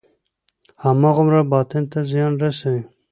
هماغومره باطن ته زیان رسوي.